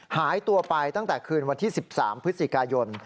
หายตัวไปตั้งแต่คืนวันที่๑๓พฤศจิกายน